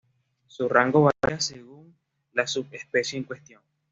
Su rango varía según la subespecie en cuestión.